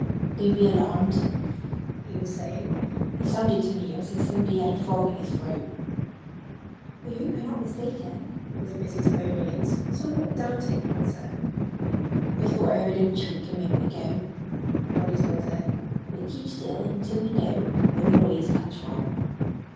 "Don't be alarmed!" he was saying. "It sounded to me as if somebody had a frog in his throat." "I hope you're not mistaken," was Mrs. Bobolink's somewhat doubting answer. "I thought I heard him choke a moment ago," Bobby told her. "We'll keep still until we know where the noise comes from."